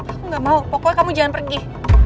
aku gak mau pokoknya kamu jangan pergi